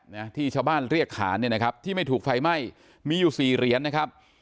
นะที่ชาวบ้านเรียกขานเนี่ยนะครับที่ไม่ถูกไฟไหม้มีอยู่สี่เหรียญนะครับ